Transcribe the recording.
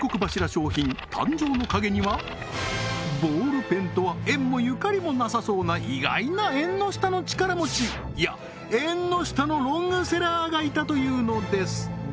商品誕生の陰にはボールペンとは縁もゆかりもなさそうな意外なえんの下の力持ちいやえんの下のロングセラーがいたというのです！